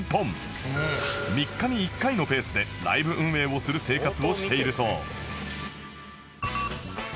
３日に１回のペースでライブ運営をする生活をしているそう